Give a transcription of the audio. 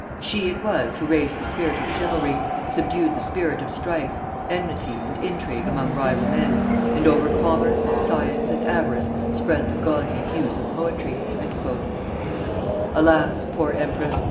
She it was who raised the spirit of chivalry, subdued the spirit of strife, enmity, and intrigue among rival men, and over commerce, science, and avarice spread the gauzy hues of poetry." Alas! poor empress.